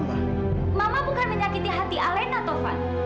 mama bukan menyakiti hati alena tovan